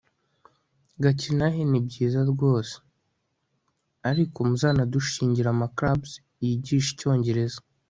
gakinahe ni byiza rwose, ariko muzanadushingire amaclubs yigisha icyongereza